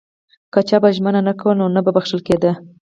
که چا به ژمنه نه کوله نو نه بخښل کېده.